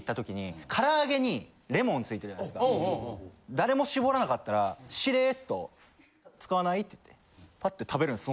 誰も搾らなかったらしれっと「使わない？」って言ってパッて食べるです